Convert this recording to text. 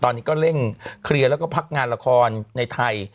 ตอนนี้ก็เร่งเคลียร์แล้วก็พักงานละครในไทย